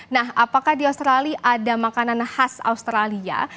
nah apakah di australia ada makanan khas australia